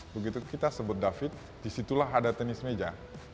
begitu kita sebut david disitulah ada tenis meja